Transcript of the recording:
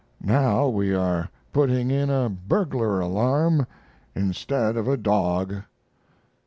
Now we are putting in a burglar alarm instead of a dog.